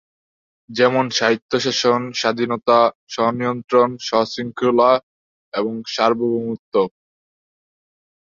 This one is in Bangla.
যেমন স্বায়ত্তশাসন, স্বাধীনতা, স্ব-নিয়ন্ত্রণ, স্ব-শৃঙ্খলা এবং সার্বভৌমত্ব।